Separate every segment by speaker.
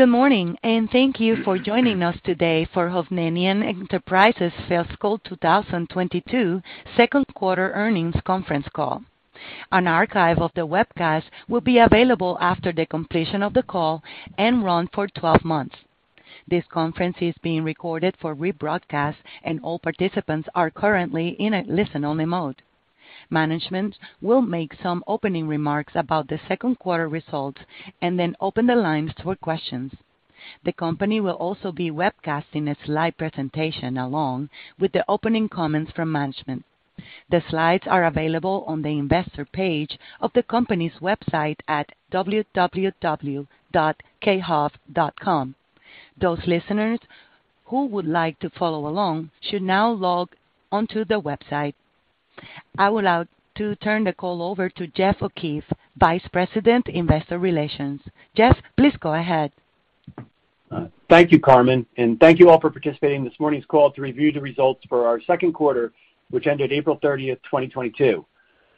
Speaker 1: Good morning, and thank you for joining us today for Hovnanian Enterprises Fiscal 2022 second quarter earnings conference call. An archive of the webcast will be available after the completion of the call and run for 12 months. This conference is being recorded for rebroadcast, and all participants are currently in a listen-only mode. Management will make some opening remarks about the second quarter results and then open the lines for questions. The company will also be webcasting a slide presentation along with the opening comments from management. The slides are available on the investor page of the company's website at khov.com. Those listeners who would like to follow along should now log onto the website. I would like to turn the call over to Jeff O'Keefe, Vice President, Investor Relations. Jeff, please go ahead.
Speaker 2: Thank you, Carmen, and thank you all for participating in this morning's call to review the results for our second quarter, which ended April 30, 2022.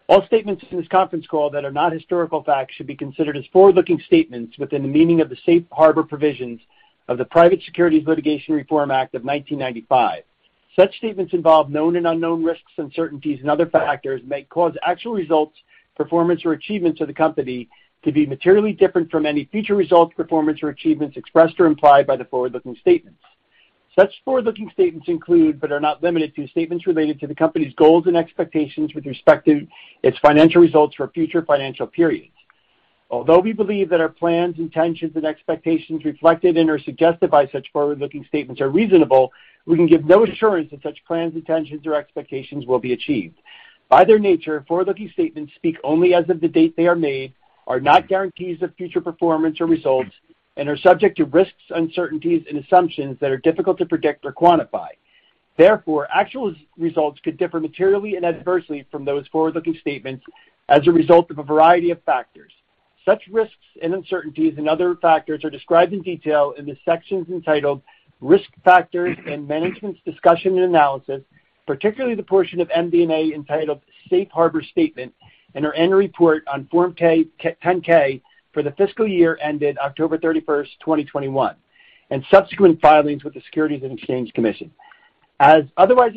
Speaker 2: All statements in this conference call that are not historical facts should be considered as forward-looking statements within the meaning of the Safe Harbor provisions of the Private Securities Litigation Reform Act of 1995. Such statements involve known and unknown risks, uncertainties, and other factors that may cause actual results, performance, or achievements of the company to be materially different from any future results, performance, or achievements expressed or implied by the forward-looking statements. Such forward-looking statements include, but are not limited to, statements related to the company's goals and expectations with respect to its financial results for future financial periods. Although we believe that our plans, intentions, and expectations reflected in or suggested by such forward-looking statements are reasonable, we can give no assurance that such plans, intentions, or expectations will be achieved. By their nature, forward-looking statements speak only as of the date they are made, are not guarantees of future performance or results, and are subject to risks, uncertainties, and assumptions that are difficult to predict or quantify. Therefore, actual results could differ materially and adversely from those forward-looking statements as a result of a variety of factors. Such risks and uncertainties and other factors are described in detail in the sections entitled Risk Factors and Management's Discussion and Analysis, particularly the portion of MD&A entitled Safe Harbor Statement, and our annual report on Form 10-K for the fiscal year ended October 31, 2021, and subsequent filings with the Securities and Exchange Commission. As otherwise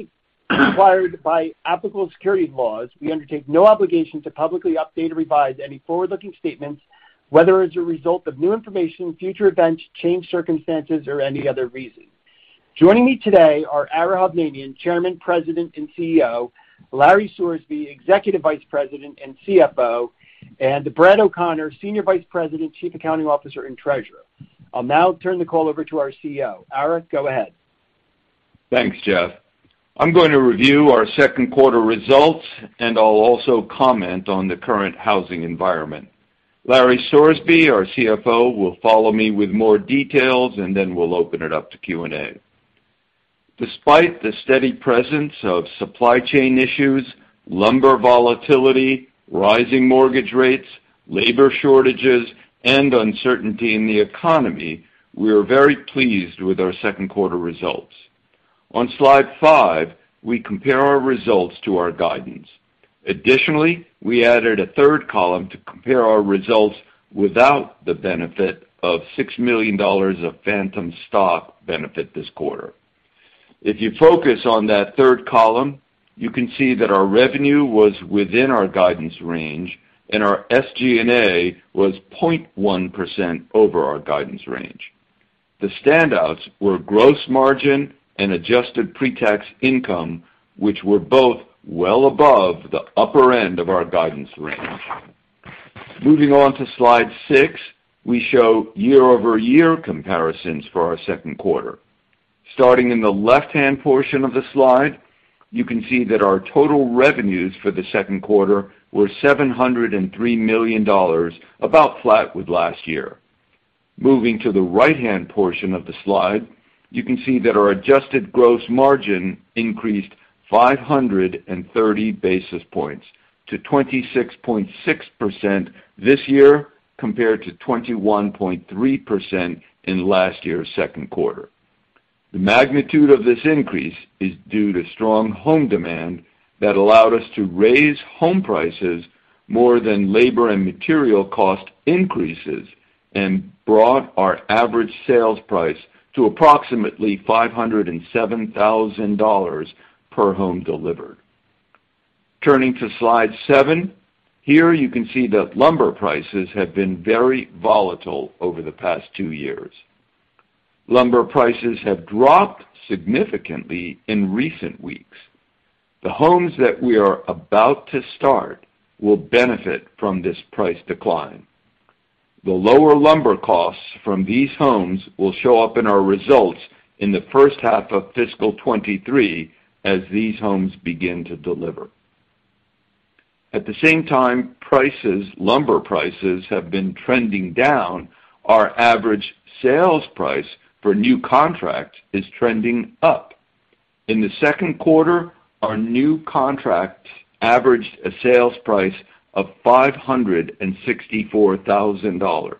Speaker 2: required by applicable securities laws, we undertake no obligation to publicly update or revise any forward-looking statements, whether as a result of new information, future events, changed circumstances, or any other reason. Joining me today are Ara Hovnanian, Chairman, President, and CEO, Larry Sorsby, Executive Vice President and CFO, and Brad O'Connor, Senior Vice President, Chief Accounting Officer, and Treasurer. I'll now turn the call over to our CEO. Ara, go ahead.
Speaker 3: Thanks, Jeff. I'm going to review our second quarter results, and I'll also comment on the current housing environment. Larry Sorsby, our CFO, will follow me with more details, and then we'll open it up to Q&A. Despite the steady presence of supply chain issues, lumber volatility, rising mortgage rates, labor shortages, and uncertainty in the economy, we are very pleased with our second quarter results. On slide five, we compare our results to our guidance. Additionally, we added a third column to compare our results without the benefit of $6 million of Phantom stock benefit this quarter. If you focus on that third column, you can see that our revenue was within our guidance range and our SG&A was 0.1% over our guidance range. The standouts were gross margin and adjusted pre-tax income, which were both well above the upper end of our guidance range. Moving on to slide six, we show year-over-year comparisons for our second quarter. Starting in the left-hand portion of the slide, you can see that our total revenues for the second quarter were $703 million, about flat with last year. Moving to the right-hand portion of the slide, you can see that our adjusted gross margin increased 530 basis points to 26.6% this year compared to 21.3% in last year's second quarter. The magnitude of this increase is due to strong home demand that allowed us to raise home prices more than labor and material cost increases and brought our average sales price to approximately $507,000 per home delivered. Turning to slide seven, here you can see that lumber prices have been very volatile over the past two years. Lumber prices have dropped significantly in recent weeks. The homes that we are about to start will benefit from this price decline. The lower lumber costs from these homes will show up in our results in the first half of fiscal 2023 as these homes begin to deliver. At the same time, lumber prices have been trending down, our average sales price for new contracts is trending up. In the second quarter, our new contracts averaged a sales price of $564,000.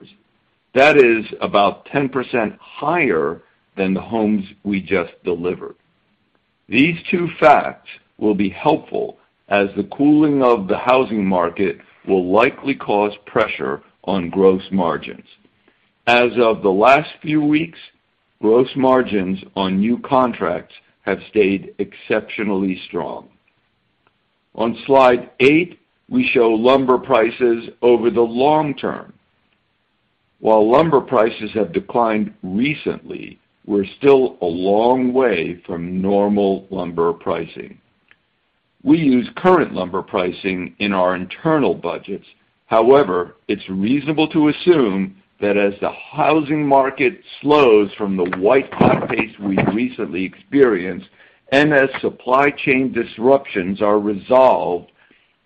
Speaker 3: That is about 10% higher than the homes we just delivered. These two facts will be helpful as the cooling of the housing market will likely cause pressure on gross margins. As of the last few weeks, gross margins on new contracts have stayed exceptionally strong. On slide eight, we show lumber prices over the long term. While lumber prices have declined recently, we're still a long way from normal lumber pricing. We use current lumber pricing in our internal budgets. However, it's reasonable to assume that as the housing market slows from the white-hot pace we recently experienced, and as supply chain disruptions are resolved,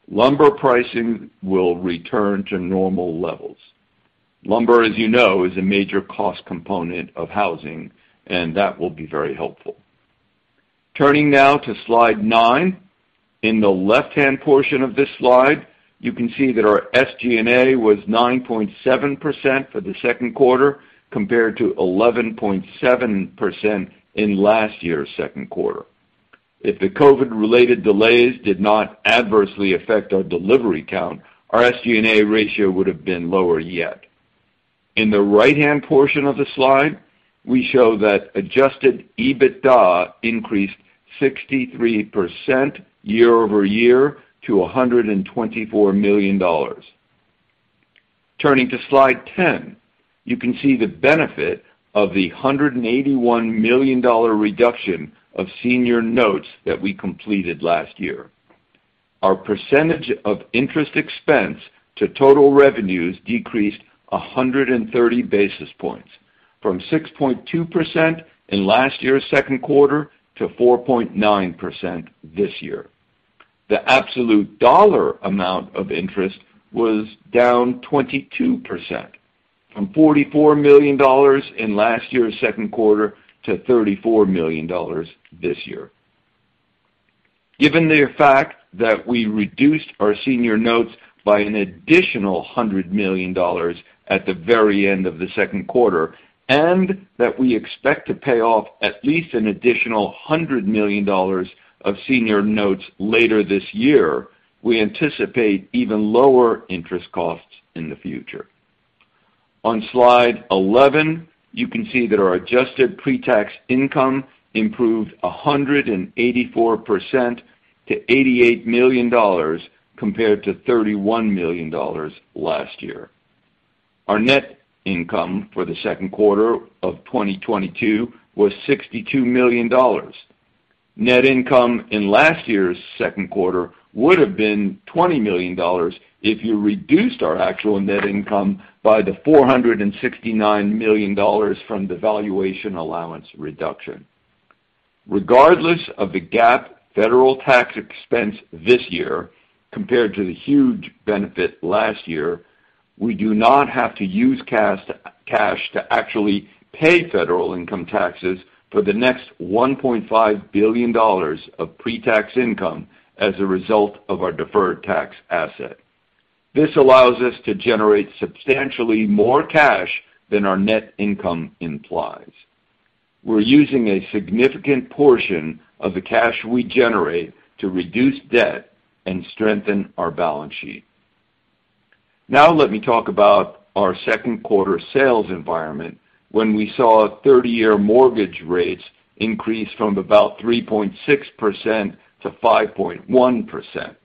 Speaker 3: lumber pricing will return to normal levels. Lumber, as you know, is a major cost component of housing, and that will be very helpful. Turning now to slide nine. In the left-hand portion of this slide, you can see that our SG&A was 9.7% for the second quarter, compared to 11.7% in last year's second quarter. If the COVID-related delays did not adversely affect our delivery count, our SG&A ratio would have been lower yet. In the right-hand portion of the slide, we show that adjusted EBITDA increased 63% year-over-year to $124 million. Turning to slide 10, you can see the benefit of the $181 million reduction of senior notes that we completed last year. Our percentage of interest expense to total revenues decreased 130 basis points from 6.2% in last year's second quarter to 4.9% this year. The absolute dollar amount of interest was down 22% from $44 million in last year's second quarter to $34 million this year. Given the fact that we reduced our senior notes by an additional $100 million at the very end of the second quarter, and that we expect to pay off at least an additional $100 million of senior notes later this year, we anticipate even lower interest costs in the future. On slide 11, you can see that our adjusted pre-tax income improved 184% to $88 million compared to $31 million last year. Our net income for the second quarter of 2022 was $62 million. Net income in last year's second quarter would have been $20 million if you reduced our actual net income by the $469 million from the valuation allowance reduction. Regardless of the GAAP federal tax expense this year compared to the huge benefit last year, we do not have to use cash to actually pay federal income taxes for the next $1.5 billion of pre-tax income as a result of our deferred tax asset. This allows us to generate substantially more cash than our net income implies. We're using a significant portion of the cash we generate to reduce debt and strengthen our balance sheet. Now let me talk about our second quarter sales environment when we saw 30-year mortgage rates increase from about 3.6%-5.1%.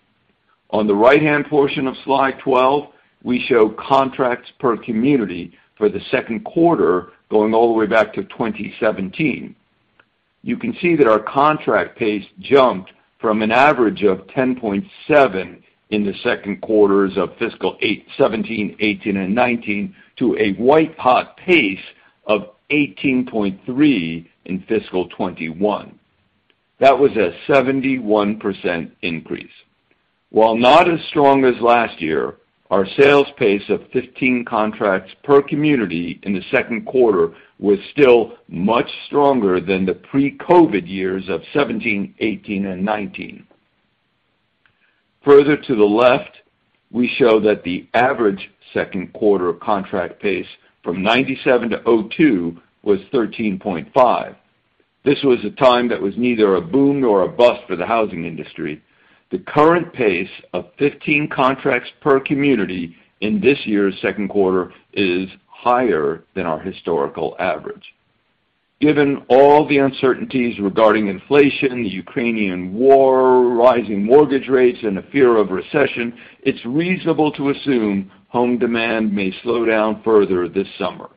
Speaker 3: On the right-hand portion of slide 12, we show contracts per community for the second quarter going all the way back to 2017. You can see that our contract pace jumped from an average of 10.7 in the second quarters of fiscal 2017, 2018, and 2019 to a white-hot pace of 18.3 in fiscal 2021. That was a 71% increase. While not as strong as last year, our sales pace of 15 contracts per community in the second quarter was still much stronger than the pre-COVID years of 2017, 2018, and 2019. Further to the left, we show that the average second quarter contract pace from 1997 to 2002 was 13.5. This was a time that was neither a boom nor a bust for the housing industry. The current pace of 15 contracts per community in this year's second quarter is higher than our historical average. Given all the uncertainties regarding inflation, the Ukrainian war, rising mortgage rates, and a fear of recession, it's reasonable to assume home demand may slow down further this summer.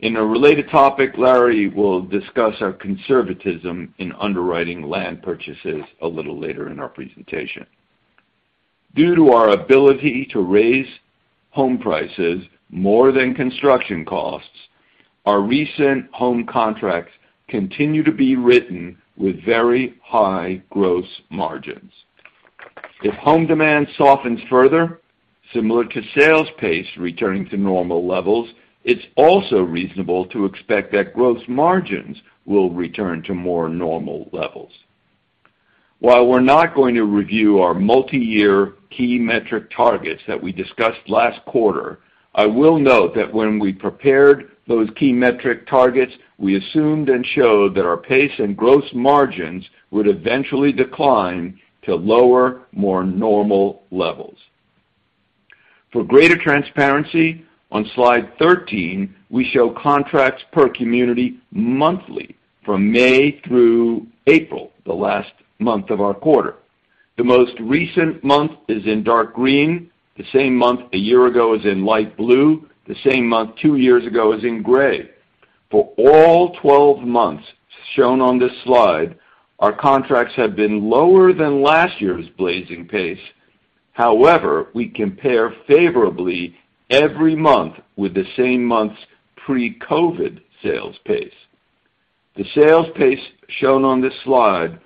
Speaker 3: In a related topic, Larry will discuss our conservatism in underwriting land purchases a little later in our presentation. Due to our ability to raise home prices more than construction costs, our recent home contracts continue to be written with very high gross margins. If home demand softens further, similar to sales pace returning to normal levels, it's also reasonable to expect that gross margins will return to more normal levels. While we're not going to review our multi-year key metric targets that we discussed last quarter, I will note that when we prepared those key metric targets, we assumed and showed that our pace and gross margins would eventually decline to lower, more normal levels. For greater transparency, on slide 13, we show contracts per community monthly from May through April, the last month of our quarter. The most recent month is in dark green. The same month a year ago is in light blue. The same month two years ago is in gray. For all 12 months shown on this slide, our contracts have been lower than last year's blazing pace. However, we compare favorably every month with the same month's pre-COVID sales pace. The sales pace shown on this slide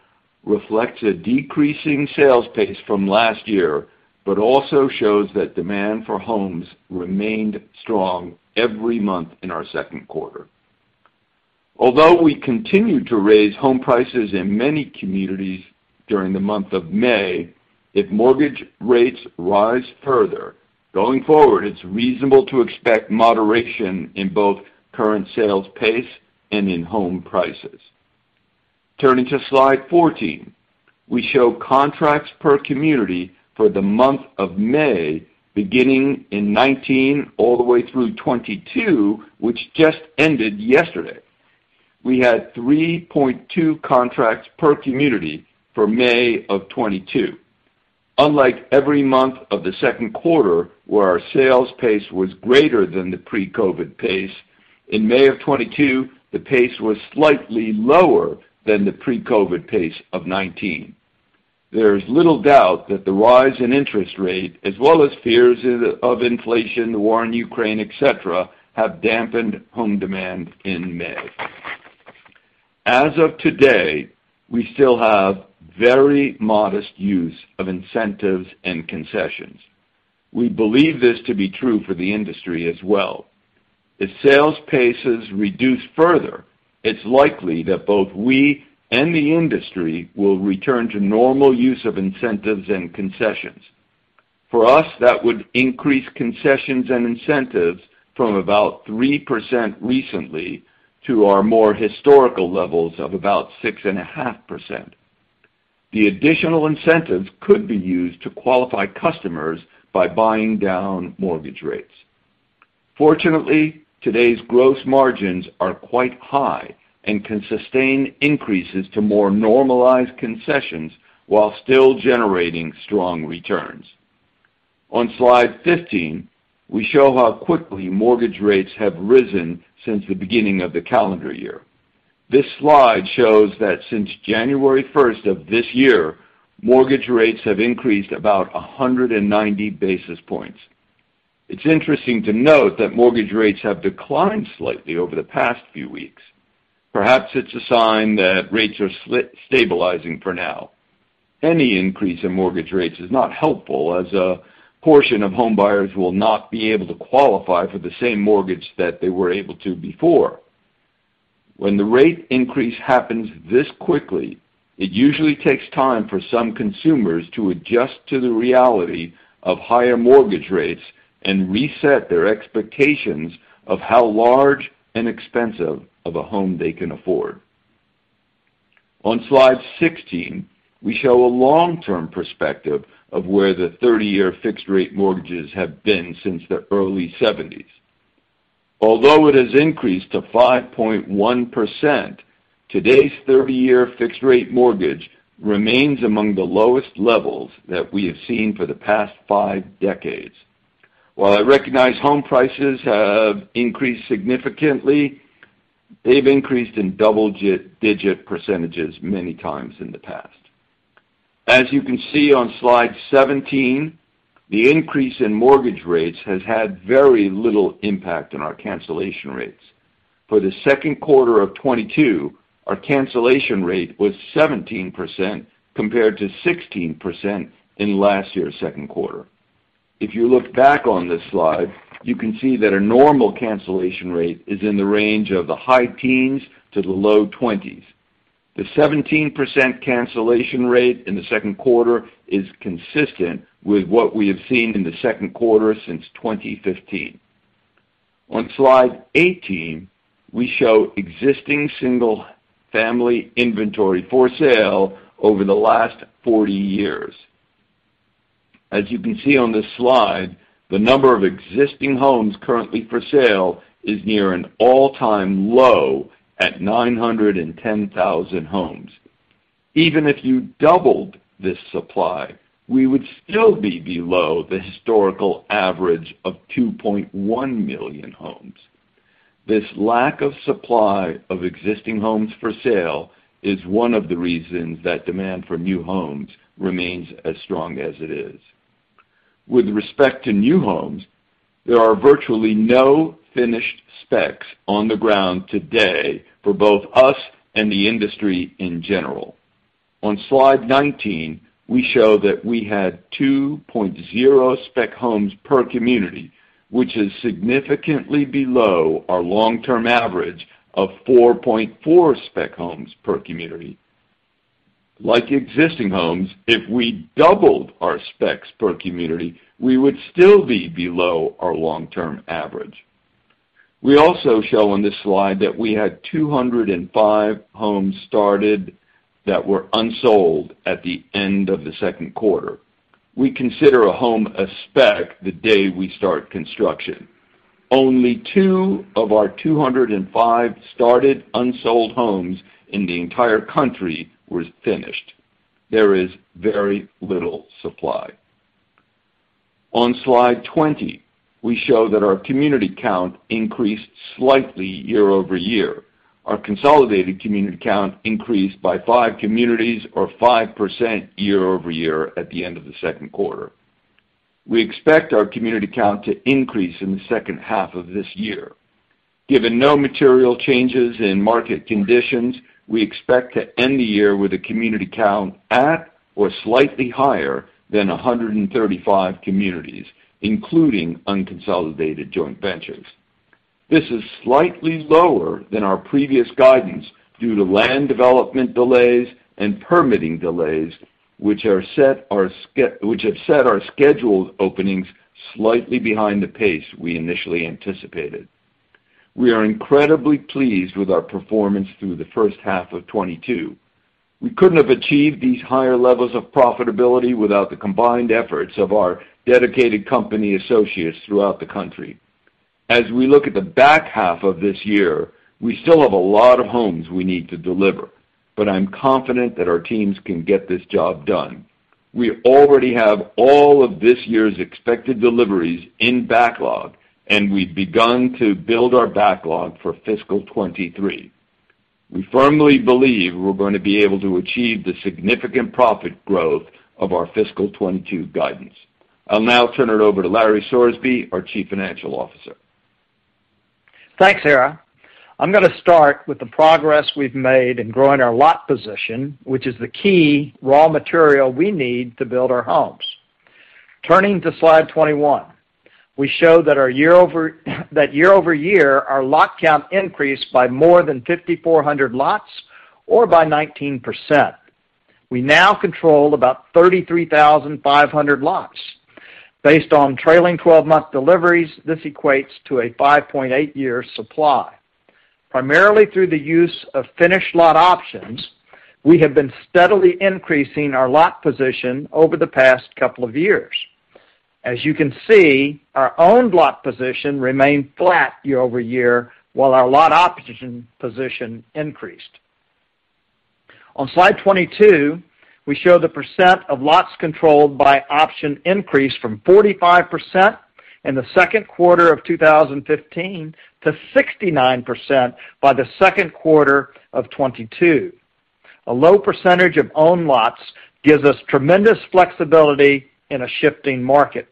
Speaker 3: reflects a decreasing sales pace from last year, but also shows that demand for homes remained strong every month in our second quarter. Although we continued to raise home prices in many communities during the month of May, if mortgage rates rise further, going forward, it's reasonable to expect moderation in both current sales pace and in home prices. Turning to slide 14, we show contracts per community for the month of May, beginning in 2019 all the way through 2022, which just ended yesterday. We had 3.2 contracts per community for May of 2022. Unlike every month of the second quarter, where our sales pace was greater than the pre-COVID pace, in May of 2022, the pace was slightly lower than the pre-COVID pace of 2019. There is little doubt that the rise in interest rate as well as fears of inflation, the war in Ukraine, et cetera, have dampened home demand in May. As of today, we still have very modest use of incentives and concessions. We believe this to be true for the industry as well. If sales paces reduce further, it's likely that both we and the industry will return to normal use of incentives and concessions. For us, that would increase concessions and incentives from about 3% recently to our more historical levels of about 6.5%. The additional incentives could be used to qualify customers by buying down mortgage rates. Fortunately, today's gross margins are quite high and can sustain increases to more normalized concessions while still generating strong returns. On slide 15, we show how quickly mortgage rates have risen since the beginning of the calendar year. This slide shows that since January first of this year, mortgage rates have increased about 190 basis points. It's interesting to note that mortgage rates have declined slightly over the past few weeks. Perhaps it's a sign that rates are stabilizing for now. Any increase in mortgage rates is not helpful, as a portion of home buyers will not be able to qualify for the same mortgage that they were able to before. When the rate increase happens this quickly, it usually takes time for some consumers to adjust to the reality of higher mortgage rates and reset their expectations of how large and expensive of a home they can afford. On slide 16, we show a long-term perspective of where the 30-year fixed rate mortgages have been since the early 1970s. Although it has increased to 5.1%, today's 30-year fixed rate mortgage remains among the lowest levels that we have seen for the past five decades. While I recognize home prices have increased significantly, they've increased in double-digit percentages many times in the past. As you can see on slide 17, the increase in mortgage rates has had very little impact on our cancellation rates. For the second quarter of 2022, our cancellation rate was 17% compared to 16% in last year's second quarter. If you look back on this slide, you can see that a normal cancellation rate is in the range of the high teens to the low twenties. The 17% cancellation rate in the second quarter is consistent with what we have seen in the second quarter since 2015. On slide 18, we show existing single family inventory for sale over the last 40 years. As you can see on this slide, the number of existing homes currently for sale is near an all-time low at 910,000 homes. Even if you doubled this supply, we would still be below the historical average of 2.1 million homes. This lack of supply of existing homes for sale is one of the reasons that demand for new homes remains as strong as it is. With respect to new homes, there are virtually no finished specs on the ground today for both us and the industry in general. On slide 19, we show that we had 2.0 spec homes per community. Which is significantly below our long-term average of 4.4 spec homes per community. Like existing homes, if we doubled our specs per community, we would still be below our long-term average. We also show on this slide that we had 205 homes started that were unsold at the end of the second quarter. We consider a home a spec the day we start construction. Only two of our 205 started unsold homes in the entire country were finished. There is very little supply. On slide 20, we show that our community count increased slightly year-over-year. Our consolidated community count increased by 5 communities or 5% year-over-year at the end of the second quarter. We expect our community count to increase in the second half of this year. Given no material changes in market conditions, we expect to end the year with a community count at or slightly higher than 135 communities, including unconsolidated joint ventures. This is slightly lower than our previous guidance due to land development delays and permitting delays, which have set our scheduled openings slightly behind the pace we initially anticipated. We are incredibly pleased with our performance through the first half of 2022. We couldn't have achieved these higher levels of profitability without the combined efforts of our dedicated company associates throughout the country. As we look at the back half of this year, we still have a lot of homes we need to deliver, but I'm confident that our teams can get this job done. We already have all of this year's expected deliveries in backlog, and we've begun to build our backlog for fiscal 2023. We firmly believe we're going to be able to achieve the significant profit growth of our fiscal 2022 guidance. I'll now turn it over to Larry Sorsby, our Chief Financial Officer.
Speaker 4: Thanks, Ara. I'm gonna start with the progress we've made in growing our lot position, which is the key raw material we need to build our homes. Turning to slide 21, we show that our year-over-year, our lot count increased by more than 5,400 lots or by 19%. We now control about 33,500 lots. Based on trailing twelve-month deliveries, this equates to a 5.8-year supply. Primarily through the use of finished lot options, we have been steadily increasing our lot position over the past couple of years. As you can see, our own lot position remained flat year-over-year, while our lot option position increased. On slide 22, we show the percent of lots controlled by option increased from 45% in the second quarter of 2015 to 69% by the second quarter of 2022. A low percentage of owned lots gives us tremendous flexibility in a shifting market.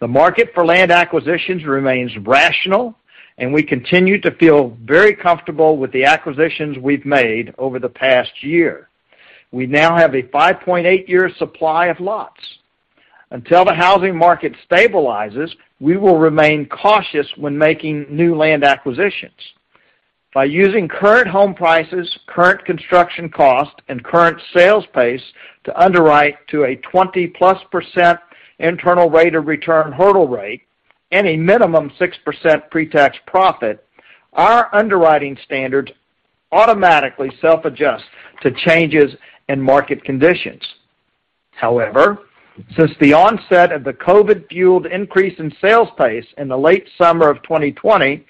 Speaker 4: The market for land acquisitions remains rational, and we continue to feel very comfortable with the acquisitions we've made over the past year. We now have a 5.8-year supply of lots. Until the housing market stabilizes, we will remain cautious when making new land acquisitions. By using current home prices, current construction cost, and current sales pace to underwrite to a 20+% internal rate of return hurdle rate and a minimum 6% pretax profit, our underwriting standards automatically self-adjust to changes in market conditions. However, since the onset of the COVID-fueled increase in sales pace in the late summer of 2020,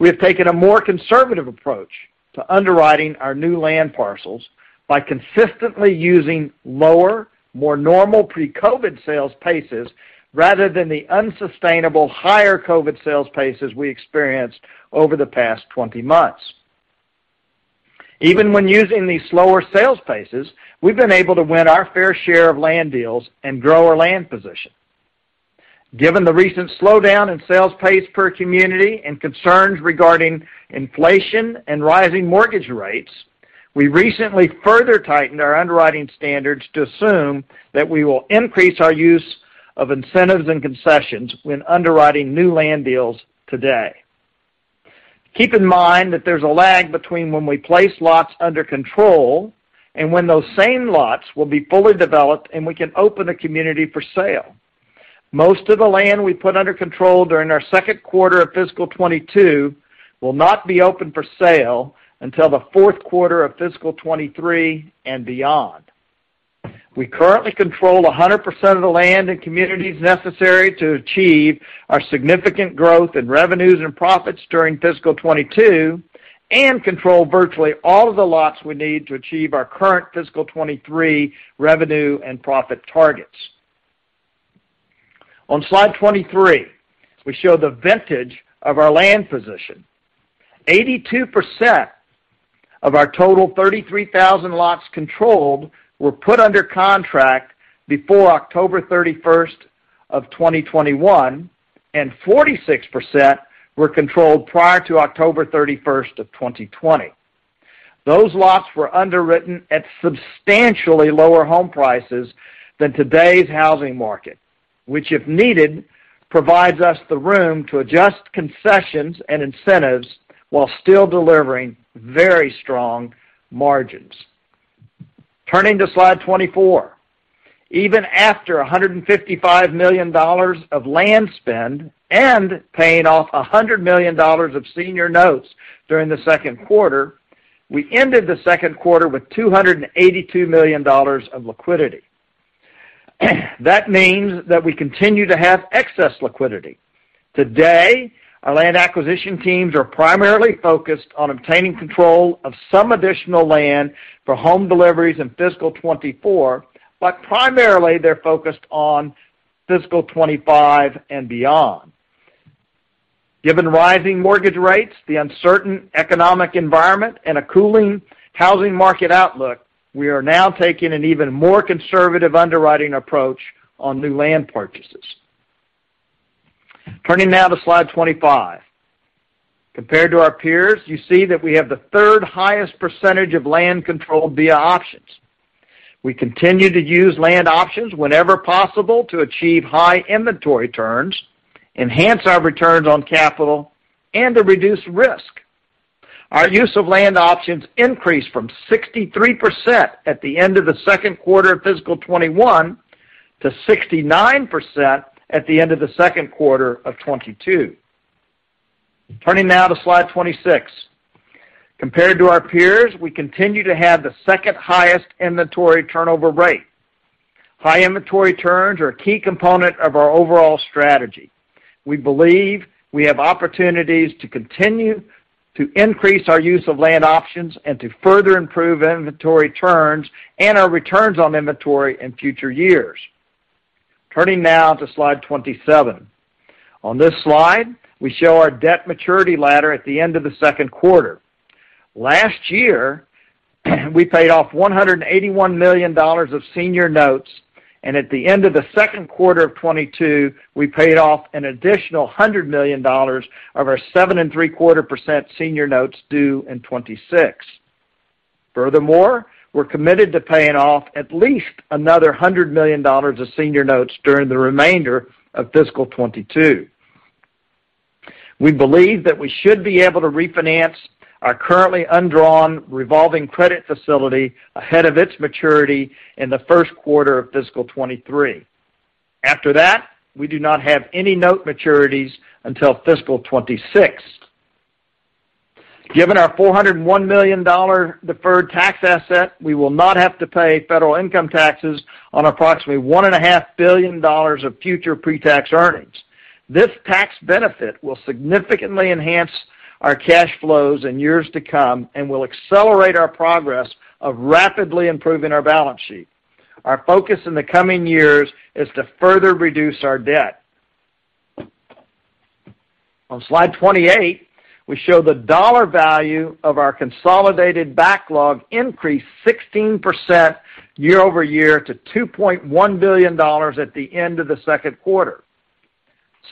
Speaker 4: we have taken a more conservative approach to underwriting our new land parcels by consistently using lower, more normal pre-COVID sales paces rather than the unsustainable higher COVID sales paces we experienced over the past 20 months. Even when using these slower sales paces, we've been able to win our fair share of land deals and grow our land position. Given the recent slowdown in sales pace per community and concerns regarding inflation and rising mortgage rates, we recently further tightened our underwriting standards to assume that we will increase our use of incentives and concessions when underwriting new land deals today. Keep in mind that there's a lag between when we place lots under control and when those same lots will be fully developed, and we can open the community for sale. Most of the land we put under control during our second quarter of fiscal 2022 will not be open for sale until the fourth quarter of fiscal 2023 and beyond. We currently control 100% of the land and communities necessary to achieve our significant growth in revenues and profits during fiscal 2022 and control virtually all of the lots we need to achieve our current fiscal 2023 revenue and profit targets. On slide 23, we show the vintage of our land position. 82% of our total 33,000 lots controlled were put under contract before October 31, 2021, and 46% were controlled prior to October 31, 2020. Those lots were underwritten at substantially lower home prices than today's housing market, which, if needed, provides us the room to adjust concessions and incentives while still delivering very strong margins. Turning to slide 24. Even after $155 million of land spend and paying off $100 million of senior notes during the second quarter, we ended the second quarter with $282 million of liquidity. That means that we continue to have excess liquidity. Today, our land acquisition teams are primarily focused on obtaining control of some additional land for home deliveries in fiscal 2024, but primarily they're focused on fiscal 2025 and beyond. Given rising mortgage rates, the uncertain economic environment, and a cooling housing market outlook, we are now taking an even more conservative underwriting approach on new land purchases. Turning now to slide 25. Compared to our peers, you see that we have the third-highest percentage of land controlled via options. We continue to use land options whenever possible to achieve high inventory turns, enhance our returns on capital, and to reduce risk. Our use of land options increased from 63% at the end of the second quarter of fiscal 2021 to 69% at the end of the second quarter of 2022. Turning now to slide 26. Compared to our peers, we continue to have the second highest inventory turnover rate. High inventory turns are a key component of our overall strategy. We believe we have opportunities to continue to increase our use of land options and to further improve inventory turns and our returns on inventory in future years. Turning now to slide 27. On this slide, we show our debt maturity ladder at the end of the second quarter. Last year, we paid off $181 million of senior notes, and at the end of the second quarter of 2022, we paid off an additional $100 million of our 7.75% senior notes due in 2026. Furthermore, we're committed to paying off at least another $100 million of senior notes during the remainder of fiscal 2022. We believe that we should be able to refinance our currently undrawn revolving credit facility ahead of its maturity in the first quarter of fiscal 2023. After that, we do not have any note maturities until fiscal 2026. Given our $401 million deferred tax asset, we will not have to pay federal income taxes on approximately $1.5 billion of future pre-tax earnings. This tax benefit will significantly enhance our cash flows in years to come and will accelerate our progress of rapidly improving our balance sheet. Our focus in the coming years is to further reduce our debt. On slide 28, we show the dollar value of our consolidated backlog increased 16% year-over-year to $2.1 billion at the end of the second quarter.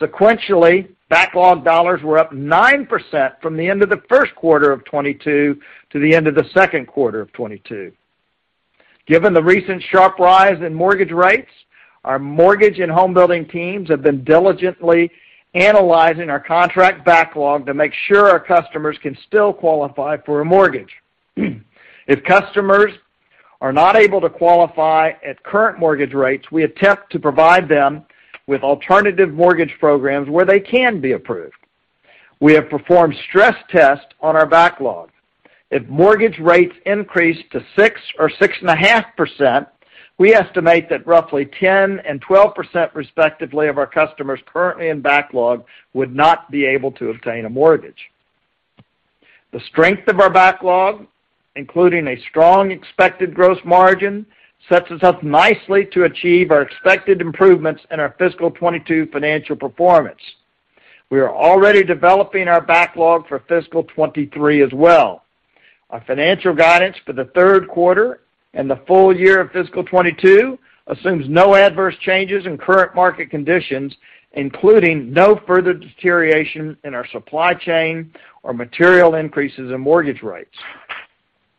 Speaker 4: Sequentially, backlog dollars were up 9% from the end of the first quarter of 2022 to the end of the second quarter of 2022. Given the recent sharp rise in mortgage rates, our mortgage and home building teams have been diligently analyzing our contract backlog to make sure our customers can still qualify for a mortgage. If customers are not able to qualify at current mortgage rates, we attempt to provide them with alternative mortgage programs where they can be approved. We have performed stress tests on our backlog. If mortgage rates increase to 6% or 6.5%, we estimate that roughly 10% and 12%, respectively, of our customers currently in backlog would not be able to obtain a mortgage. The strength of our backlog, including a strong expected gross margin, sets us up nicely to achieve our expected improvements in our fiscal 2022 financial performance. We are already developing our backlog for fiscal 2023 as well. Our financial guidance for the third quarter and the full year of fiscal 2022 assumes no adverse changes in current market conditions, including no further deterioration in our supply chain or material increases in mortgage rates.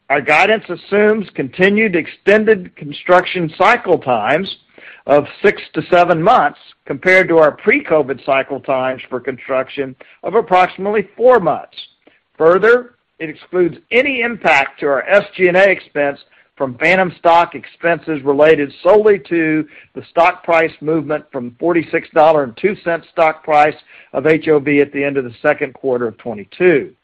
Speaker 4: Our guidance assumes continued extended construction cycle times of six to seven months compared to our pre-COVID cycle times for construction of approximately four months. Further, it excludes any impact to our SG&A expense from phantom stock expenses related solely to the stock price movement from $46.02 stock price of HOV at the end of the second quarter of 2022.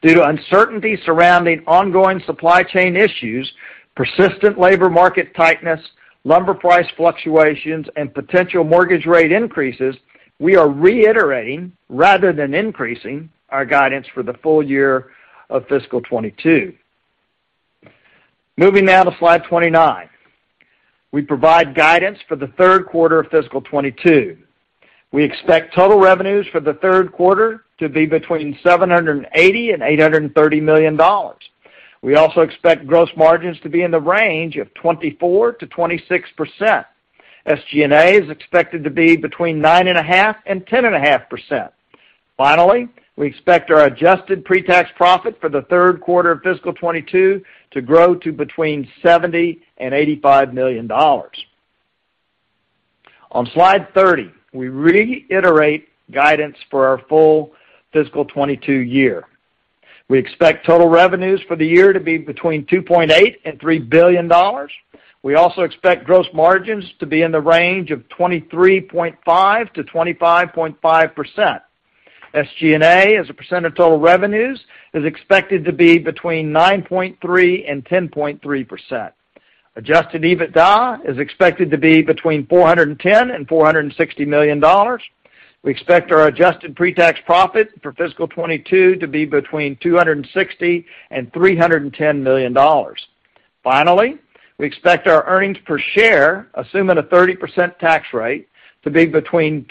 Speaker 4: Due to uncertainty surrounding ongoing supply chain issues, persistent labor market tightness, lumber price fluctuations, and potential mortgage rate increases, we are reiterating rather than increasing our guidance for the full year of fiscal 2022. Moving now to slide 29. We provide guidance for the third quarter of fiscal 2022. We expect total revenues for the third quarter to be between $780 million and $830 million. We also expect gross margins to be in the range of 24%-26%. SG&A is expected to be between 9.5% and 10.5%. Finally, we expect our adjusted pre-tax profit for the third quarter of fiscal 2022 to grow to between $70 million and $85 million. On slide 30, we reiterate guidance for our full fiscal 2022 year. We expect total revenues for the year to be between $2.8 billion and $3 billion. We also expect gross margins to be in the range of 23.5%-25.5%. SG&A, as a percent of total revenues, is expected to be between 9.3% and 10.3%. Adjusted EBITDA is expected to be between $410 million and $460 million. We expect our adjusted pre-tax profit for fiscal 2022 to be between $260 million and $310 million. Finally, we expect our earnings per share, assuming a 30% tax rate, to be between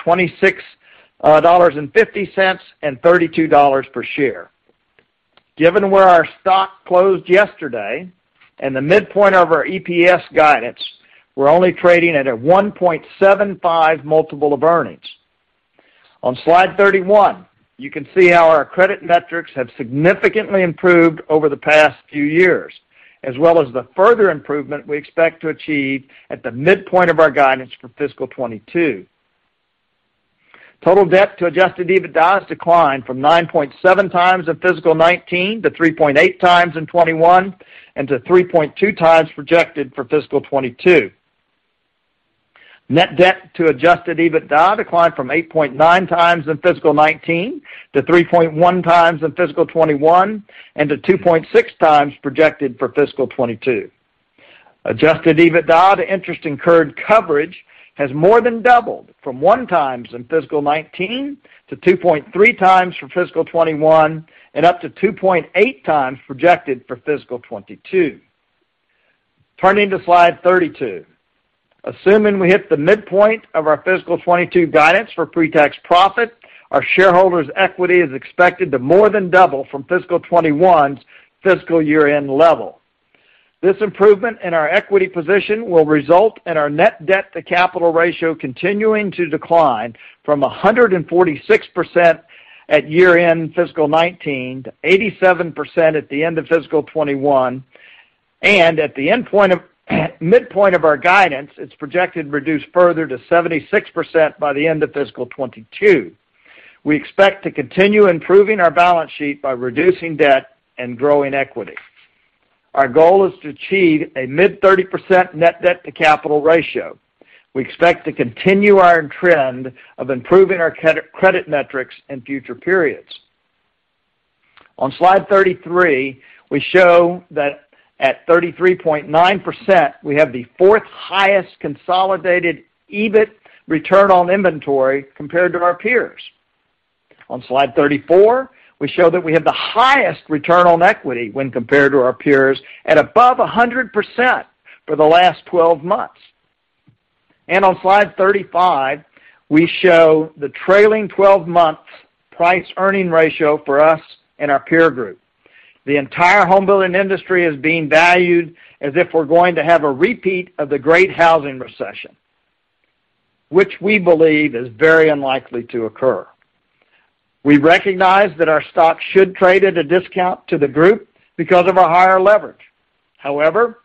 Speaker 4: $26.50 and $32 per share. Given where our stock closed yesterday and the midpoint of our EPS guidance, we're only trading at a 1.75 multiple of earnings. On slide 31, you can see how our credit metrics have significantly improved over the past few years, as well as the further improvement we expect to achieve at the midpoint of our guidance for fiscal 2022. Total debt to adjusted EBITDA has declined from 9.7x in fiscal 2019 to 3.8x in 2021, and to 3.2x projected for fiscal 2022. Net debt to adjusted EBITDA declined from 8.9x in fiscal 2019 to 3.1x in fiscal 2021, and to 2.6x projected for fiscal 2022. Adjusted EBITDA to interest incurred coverage has more than doubled from 1x in fiscal 2019 to 2.3x for fiscal 2021, and up to 2.8x projected for fiscal 2022. Turning to slide 32. Assuming we hit the midpoint of our fiscal 2022 guidance for pre-tax profit, our shareholders' equity is expected to more than double from fiscal 2021's fiscal year-end level. This improvement in our equity position will result in our net debt to capital ratio continuing to decline from 146% at year-end fiscal 2019 to 87% at the end of fiscal 2021. At the midpoint of our guidance, it's projected to reduce further to 76% by the end of fiscal 2022. We expect to continue improving our balance sheet by reducing debt and growing equity. Our goal is to achieve a mid-30% net debt to capital ratio. We expect to continue our trend of improving our credit metrics in future periods. On slide 33, we show that at 33.9%, we have the fourth highest consolidated EBIT return on inventory compared to our peers. On slide 34, we show that we have the highest return on equity when compared to our peers at above 100% for the last 12 months. On slide 35, we show the trailing 12-month price-earnings ratio for us and our peer group. The entire home building industry is being valued as if we're going to have a repeat of the Great Housing Recession, which we believe is very unlikely to occur. We recognize that our stock should trade at a discount to the group because of our higher leverage. However,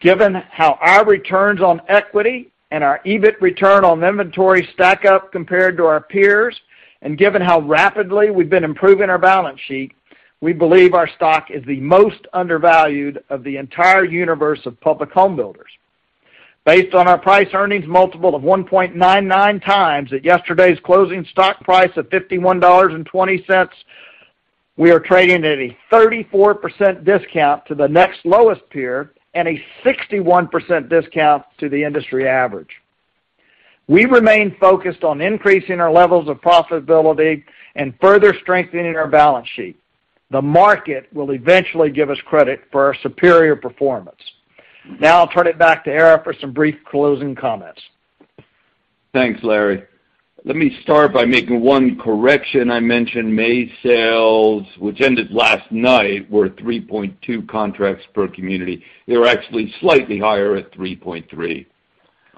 Speaker 4: given how our returns on equity and our EBIT return on inventory stack up compared to our peers, and given how rapidly we've been improving our balance sheet, we believe our stock is the most undervalued of the entire universe of public home builders. Based on our price earnings multiple of 1.99x at yesterday's closing stock price of $51.20, we are trading at a 34% discount to the next lowest peer and a 61% discount to the industry average. We remain focused on increasing our levels of profitability and further strengthening our balance sheet. The market will eventually give us credit for our superior performance. Now I'll turn it back to Ara for some brief closing comments.
Speaker 3: Thanks, Larry. Let me start by making one correction. I mentioned May sales, which ended last night, were 3.2 contracts per community. They were actually slightly higher at 3.3.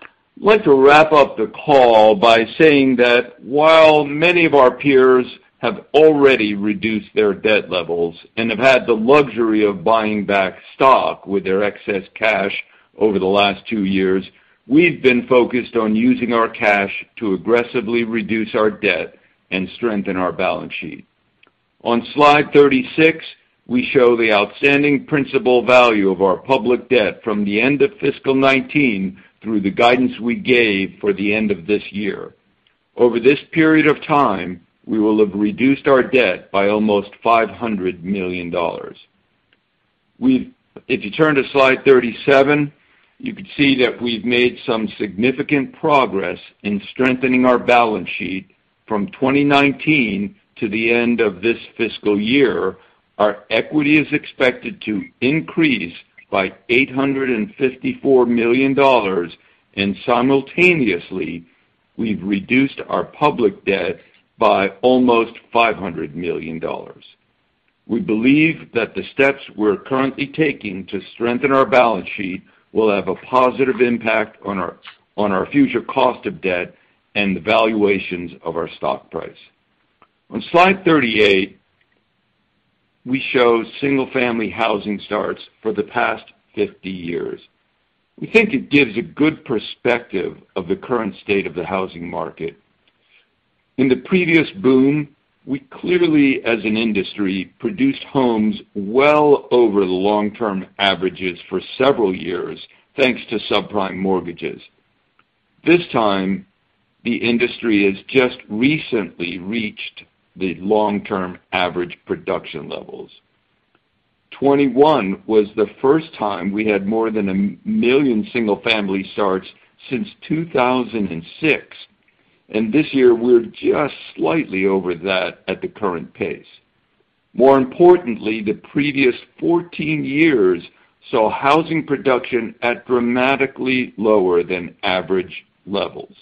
Speaker 3: I'd like to wrap up the call by saying that while many of our peers have already reduced their debt levels and have had the luxury of buying back stock with their excess cash over the last two years, we've been focused on using our cash to aggressively reduce our debt and strengthen our balance sheet. On slide 36, we show the outstanding principal value of our public debt from the end of fiscal 2019 through the guidance we gave for the end of this year. Over this period of time, we will have reduced our debt by almost $500 million. If you turn to slide 37, you can see that we've made some significant progress in strengthening our balance sheet from 2019 to the end of this fiscal year. Our equity is expected to increase by $854 million, and simultaneously, we've reduced our public debt by almost $500 million. We believe that the steps we're currently taking to strengthen our balance sheet will have a positive impact on our future cost of debt and the valuations of our stock price. On slide 38, we show single-family housing starts for the past 50 years. We think it gives a good perspective of the current state of the housing market. In the previous boom, we clearly, as an industry, produced homes well over the long-term averages for several years, thanks to subprime mortgages. This time, the industry has just recently reached the long-term average production levels. 2021 was the first time we had more than a million single-family starts since 2006, and this year we're just slightly over that at the current pace. More importantly, the previous 14 years saw housing production at dramatically lower than average levels.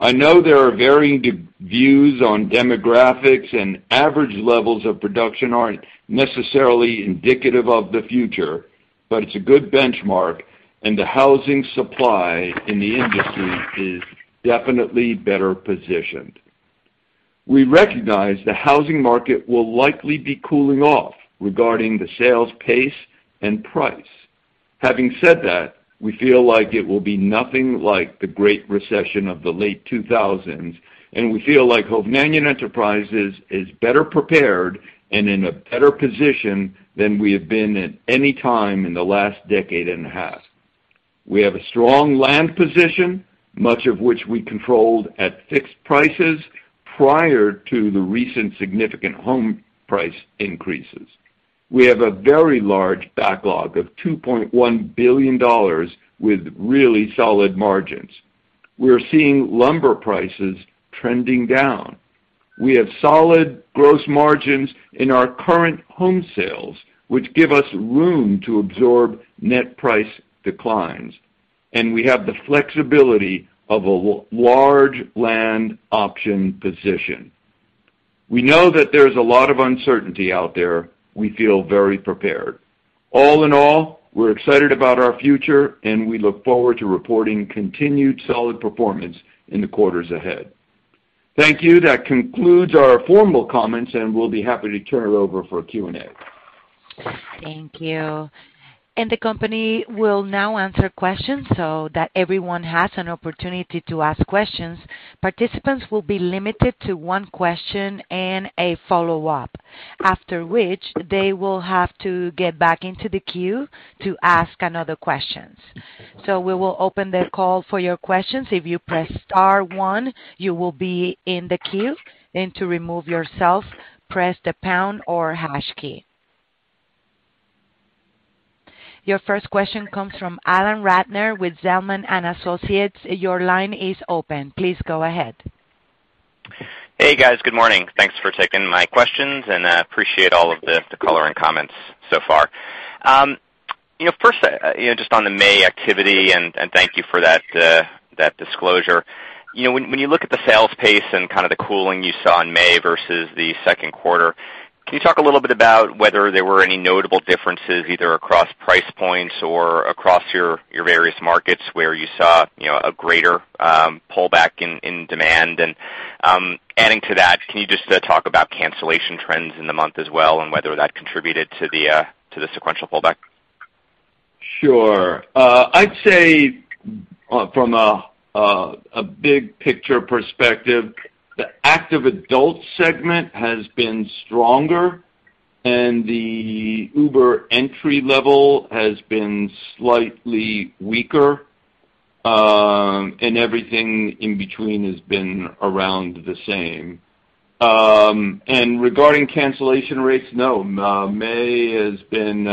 Speaker 3: I know there are varying views on demographics, and average levels of production aren't necessarily indicative of the future, but it's a good benchmark, and the housing supply in the industry is definitely better positioned. We recognize the housing market will likely be cooling off regarding the sales pace and price. Having said that, we feel like it will be nothing like the Great Recession of the late 2000s, and we feel like Hovnanian Enterprises is better prepared and in a better position than we have been at any time in the last decade and a half. We have a strong land position, much of which we controlled at fixed prices prior to the recent significant home price increases. We have a very large backlog of $2.1 billion with really solid margins. We're seeing lumber prices trending down. We have solid gross margins in our current home sales, which give us room to absorb net price declines, and we have the flexibility of a large land option position. We know that there's a lot of uncertainty out there. We feel very prepared. All in all, we're excited about our future, and we look forward to reporting continued solid performance in the quarters ahead. Thank you. That concludes our formal comments, and we'll be happy to turn it over for Q&A.
Speaker 1: Thank you. The company will now answer questions. That everyone has an opportunity to ask questions, participants will be limited to one question and a follow-up, after which they will have to get back into the queue to ask another question. We will open the call for your questions. If you press star one, you will be in the queue, and to remove yourself, press the pound or hash key. Your first question comes from Alan Ratner with Zelman & Associates. Your line is open. Please go ahead.
Speaker 5: Hey, guys. Good morning. Thanks for taking my questions, and appreciate all of the color and comments so far. You know, first, you know, just on the May activity, and thank you for that disclosure. You know, when you look at the sales pace and kind of the cooling you saw in May versus the second quarter, can you talk a little bit about whether there were any notable differences, either across price points or across your various markets where you saw, you know, a greater pullback in demand? Adding to that, can you just talk about cancellation trends in the month as well and whether that contributed to the sequential pullback?
Speaker 3: I'd say from a big picture perspective, the active adult segment has been stronger and the upper entry level has been slightly weaker, and everything in between has been around the same. Regarding cancellation rates, no, May has been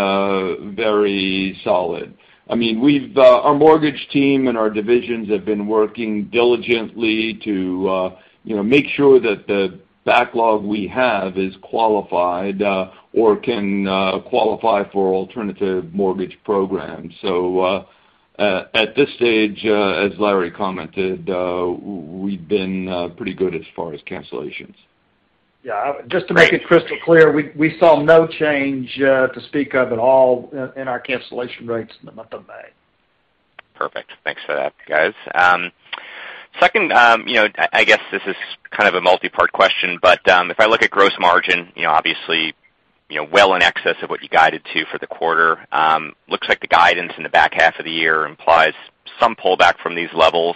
Speaker 3: very solid. I mean, we have our mortgage team and our divisions have been working diligently to you know make sure that the backlog we have is qualified or can qualify for alternative mortgage programs. At this stage, as Larry commented, we've been pretty good as far as cancellations.
Speaker 4: Yeah. Just to make it crystal clear, we saw no change to speak of at all in our cancellation rates in the month of May.
Speaker 5: Perfect. Thanks for that, guys. Second, you know, I guess this is kind of a multipart question, but if I look at gross margin, you know, obviously, you know, well in excess of what you guided to for the quarter, looks like the guidance in the back half of the year implies some pullback from these levels.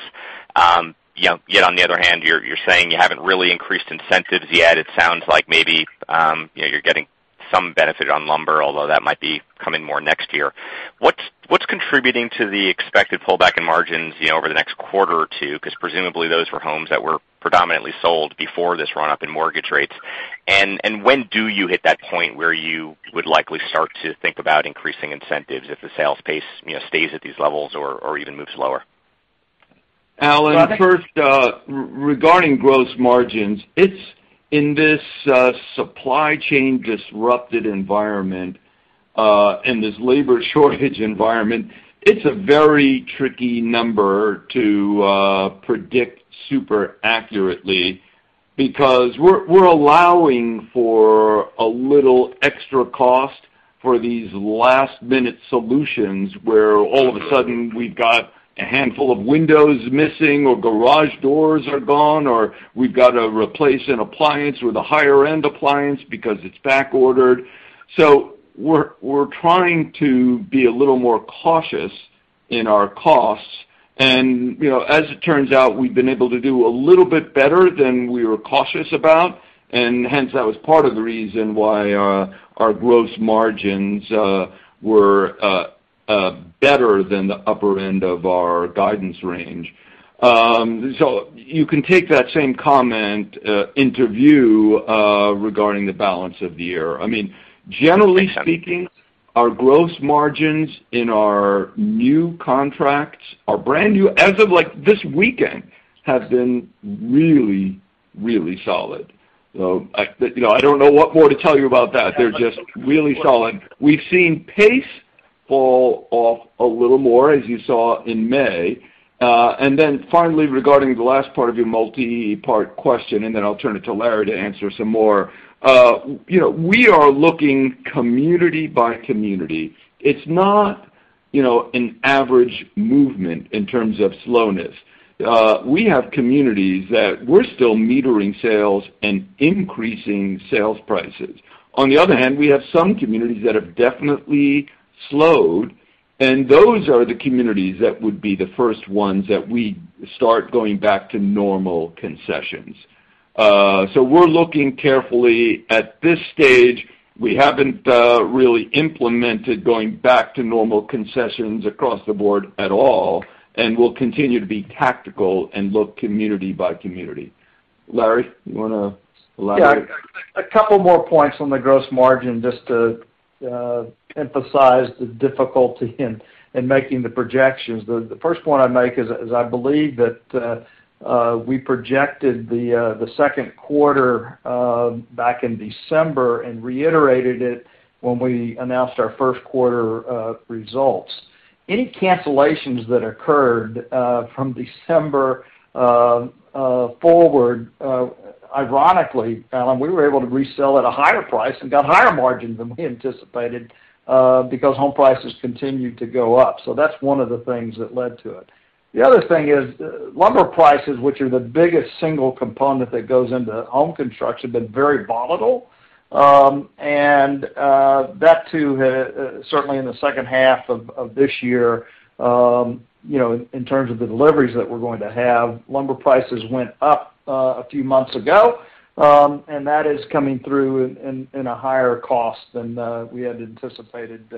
Speaker 5: You know, yet on the other hand, you're saying you haven't really increased incentives yet. It sounds like maybe, you know, you're getting some benefit on lumber, although that might be coming more next year. What's contributing to the expected pullback in margins, you know, over the next quarter or two? 'Cause presumably those were homes that were predominantly sold before this run-up in mortgage rates. When do you hit that point where you would likely start to think about increasing incentives if the sales pace, you know, stays at these levels or even moves lower?
Speaker 3: Alan, first, regarding gross margins, it's in this supply chain disrupted environment, in this labor shortage environment, it's a very tricky number to predict super accurately because we're allowing for a little extra cost for these last-minute solutions where all of a sudden we've got a handful of windows missing or garage doors are gone, or we've got to replace an appliance with a higher-end appliance because it's back-ordered. So we're trying to be a little more cautious in our costs. You know, as it turns out, we've been able to do a little bit better than we were cautious about, and hence, that was part of the reason why our gross margins were better than the upper end of our guidance range. You can take that same comment into view regarding the balance of the year. I mean, generally speaking, our gross margins in our new contracts are brand new as of, like, this weekend, have been really, really solid. I, you know, I don't know what more to tell you about that. They're just really solid. We've seen pace fall off a little more, as you saw in May. And then finally, regarding the last part of your multi-part question, and then I'll turn it to Larry to answer some more, you know, we are looking community by community. It's not, you know, an average movement in terms of slowness. We have communities that we're still metering sales and increasing sales prices. On the other hand, we have some communities that have definitely slowed, and those are the communities that would be the first ones that we start going back to normal concessions. We're looking carefully. At this stage, we haven't really implemented going back to normal concessions across the board at all, and we'll continue to be tactical and look community by community. Larry, you wanna elaborate?
Speaker 4: Yeah. A couple more points on the gross margin, just to emphasize the difficulty in making the projections. The first point I'd make is I believe that we projected the second quarter back in December and reiterated it when we announced our first quarter results. Any cancellations that occurred from December forward, ironically, Alan, we were able to resell at a higher price and got higher margin than we anticipated because home prices continued to go up. So that's one of the things that led to it. The other thing is lumber prices, which are the biggest single component that goes into home construction, have been very volatile. That too, certainly in the second half of this year, you know, in terms of the deliveries that we're going to have, lumber prices went up a few months ago, and that is coming through in a higher cost than we had anticipated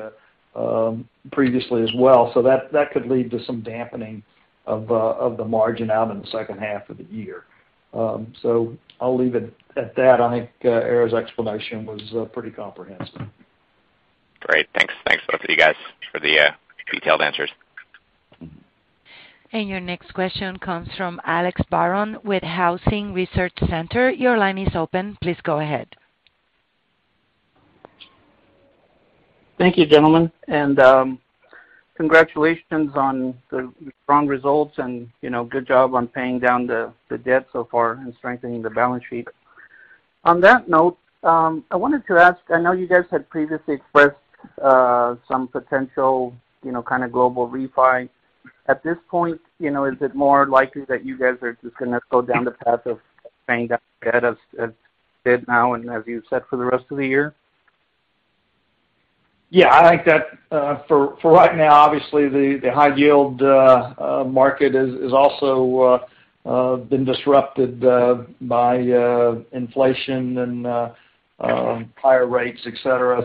Speaker 4: previously as well. That could lead to some dampening of the margin out in the second half of the year. I'll leave it at that. I think Ara's explanation was pretty comprehensive.
Speaker 5: Great. Thanks. Thanks both of you guys for the detailed answers.
Speaker 1: Your next question comes from Alex Barron with Housing Research Center. Your line is open. Please go ahead.
Speaker 6: Thank you, gentlemen. Congratulations on the strong results and, you know, good job on paying down the debt so far and strengthening the balance sheet. On that note, I wanted to ask, I know you guys had previously expressed some potential, you know, kind of global refi. At this point, you know, is it more likely that you guys are just gonna go down the path of paying down debt as bid now and as you said for the rest of the year?
Speaker 4: Yeah, I think that for right now, obviously the high yield market is also been disrupted by inflation and higher rates, et cetera.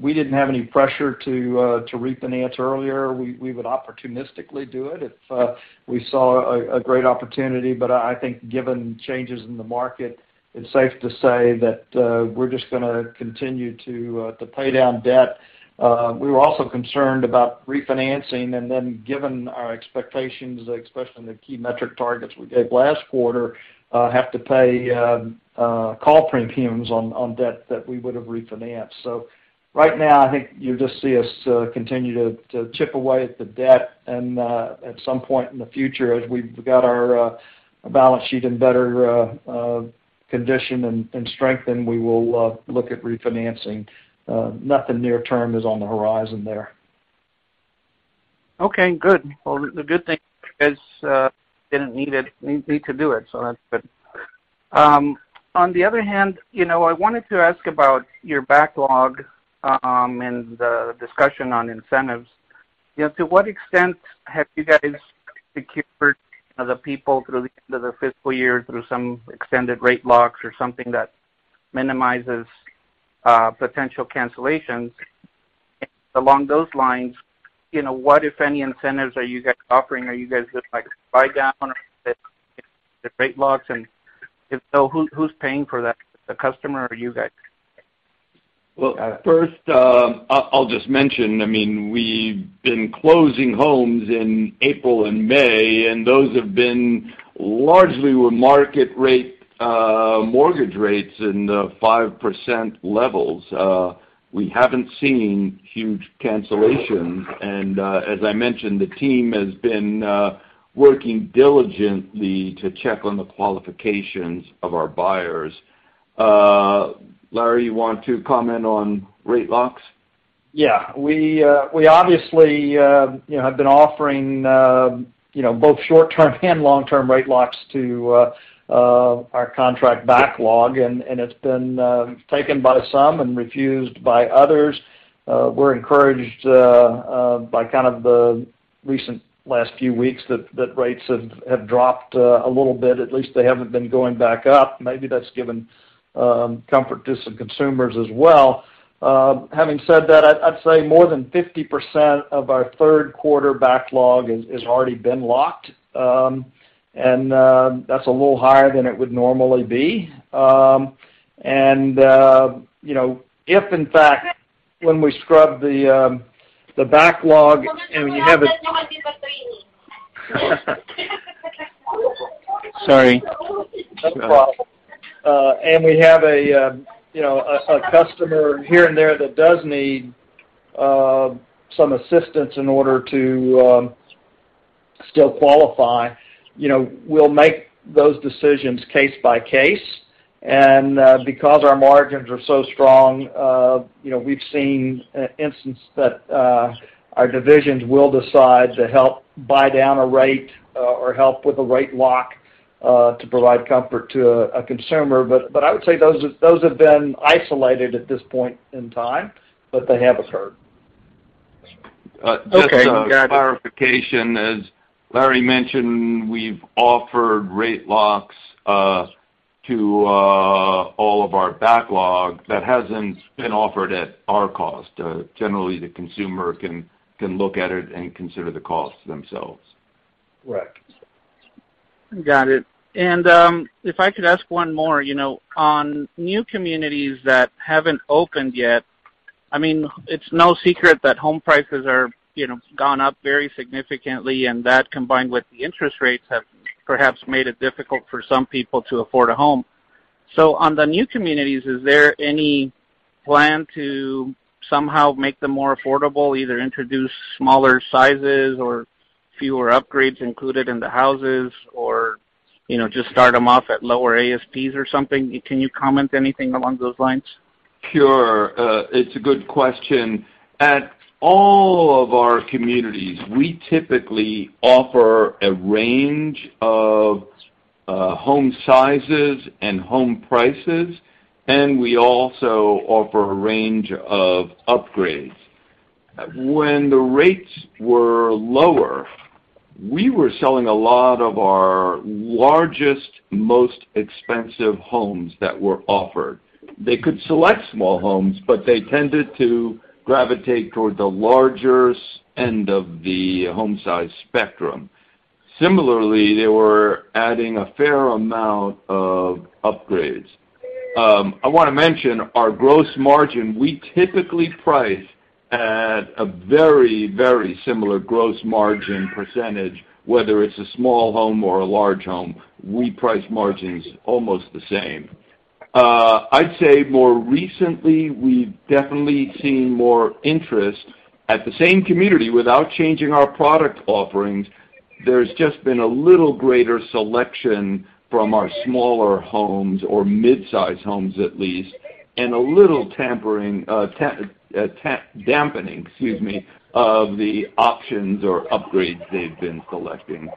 Speaker 4: We didn't have any pressure to refinance earlier. We would opportunistically do it if we saw a great opportunity. I think given changes in the market, it's safe to say that we're just gonna continue to pay down debt. We were also concerned about refinancing, and then given our expectations, especially on the key metric targets we gave last quarter, have to pay call premiums on debt that we would have refinanced. Right now, I think you'll just see us continue to chip away at the debt, and at some point in the future, as we've got our balance sheet in better condition and strength, then we will look at refinancing. Nothing near term is on the horizon there.
Speaker 6: Okay, good. Well, the good thing is, didn't need to do it, so that's good. On the other hand, you know, I wanted to ask about your backlog, and the discussion on incentives. You know, to what extent have you guys secured the people through the end of the fiscal year through some extended rate locks or something that minimizes potential cancellations? Along those lines, you know, what, if any, incentives are you guys offering? Are you guys just like buy down the rate locks? And if so, who's paying for that? The customer or you guys?
Speaker 3: Well, first, I'll just mention, I mean, we've been closing homes in April and May, and those have been largely with market rate mortgage rates in the 5% levels. We haven't seen huge cancellations. As I mentioned, the team has been working diligently to check on the qualifications of our buyers. Larry, you want to comment on rate locks?
Speaker 4: Yeah. We obviously, you know, have been offering, you know, both short-term and long-term rate locks to our contract backlog, and it's been taken by some and refused by others. We're encouraged by kind of the recent last few weeks that rates have dropped a little bit. At least they haven't been going back up. Maybe that's given comfort to some consumers as well. Having said that, I'd say more than 50% of our third quarter backlog is already been locked. You know, if, in fact, when we scrub the backlog and we have it.
Speaker 3: Sorry.
Speaker 4: No problem. We have you know, a customer here and there that does need some assistance in order to still qualify. You know, we'll make those decisions case by case. Because our margins are so strong, you know, we've seen instance that our divisions will decide to help buy down a rate or help with a rate lock to provide comfort to a consumer. I would say those have been isolated at this point in time, but they have occurred.
Speaker 3: Just a clarification. As Larry mentioned, we've offered rate locks to all of our backlog. That hasn't been offered at our cost. Generally, the consumer can look at it and consider the costs themselves.
Speaker 4: Right.
Speaker 6: Got it. If I could ask one more. You know, on new communities that haven't opened yet, I mean, it's no secret that home prices are, you know, gone up very significantly, and that, combined with the interest rates, have perhaps made it difficult for some people to afford a home. On the new communities, is there any plan to somehow make them more affordable, either introduce smaller sizes or fewer upgrades included in the houses or, you know, just start them off at lower ASPs or something? Can you comment anything along those lines?
Speaker 3: Sure. It's a good question. At all of our communities, we typically offer a range of home sizes and home prices, and we also offer a range of upgrades. When the rates were lower, we were selling a lot of our largest, most expensive homes that were offered. They could select small homes, but they tended to gravitate toward the larger end of the home size spectrum. Similarly, they were adding a fair amount of upgrades. I wanna mention our gross margin. We typically price at a very, very similar gross margin percentage, whether it's a small home or a large home. We price margins almost the same. I'd say more recently, we've definitely seen more interest at the same community without changing our product offerings. There's just been a little greater selection from our smaller homes or mid-size homes at least, and a little dampening of the options or upgrades they've been selecting.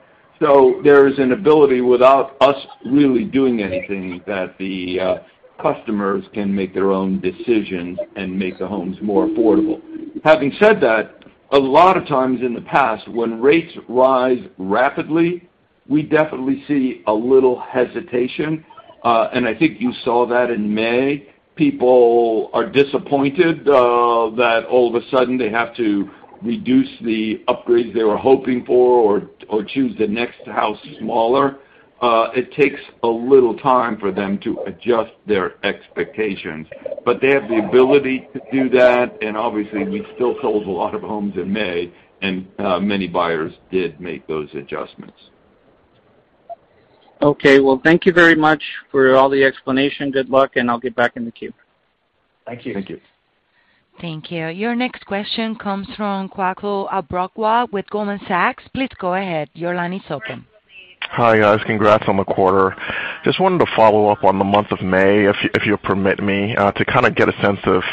Speaker 3: There's an ability without us really doing anything that the customers can make their own decisions and make the homes more affordable. Having said that, a lot of times in the past, when rates rise rapidly, we definitely see a little hesitation. I think you saw that in May. People are disappointed that all of a sudden they have to reduce the upgrades they were hoping for or choose the next house smaller. It takes a little time for them to adjust their expectations, but they have the ability to do that. Obviously, we still sold a lot of homes in May, and many buyers did make those adjustments.
Speaker 6: Okay. Well, thank you very much for all the explanation. Good luck, and I'll get back in the queue.
Speaker 4: Thank you.
Speaker 3: Thank you.
Speaker 1: Thank you. Your next question comes from Kwaku Abrokwah with Goldman Sachs. Please go ahead. Your line is open.
Speaker 7: Hi, guys. Congrats on the quarter. Just wanted to follow up on the month of May, if you'll permit me, to kind of get a sense of